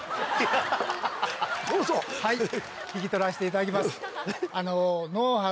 はい引き取らせていただきます。